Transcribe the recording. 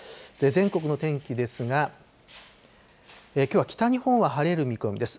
全国の天気ですが、きょうは北日本は晴れる見込みです。